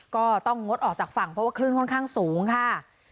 ก็ต้องงดออกจากฝั่งเพราะว่าคลื่นค่อนข้างสูงค่ะ